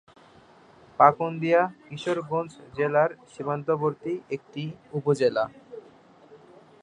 পাকুন্দিয়া কিশোরগঞ্জ জেলার সীমান্তবর্তী একটি উপজেলা।